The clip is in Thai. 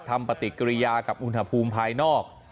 ปฏิกิริยากับอุณหภูมิภายนอก